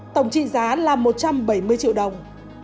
tổng trị giá là một trăm bảy mươi triệu đồng